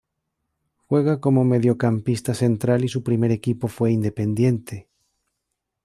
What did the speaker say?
Juega como mediocampista central y su primer equipo fue Independiente.